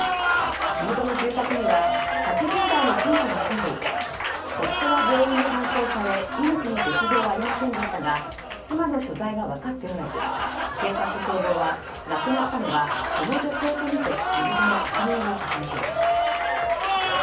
火元の住宅には８０代の夫婦が住んでいて夫は病院に搬送され命に別条はありませんでしたが妻の所在が分かっておらず警察と消防は亡くなったのが、この女性とみて身元の確認を進めています。